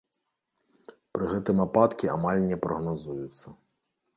Пры гэтым ападкі амаль не прагназуюцца.